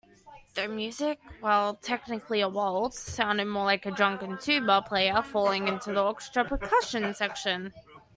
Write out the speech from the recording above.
The music, while technically a waltz, sounded more like a drunken tuba player falling into the orchestra's percussion section.